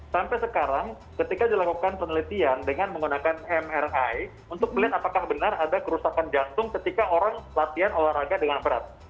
sampai sekarang ketika dilakukan penelitian dengan menggunakan mri untuk melihat apakah benar ada kerusakan jantung ketika orang latihan olahraga dengan berat